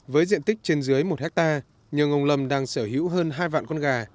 với diện tích trên dưới một hectare nhưng ông lâm đang sở hữu hơn hai vạn con gà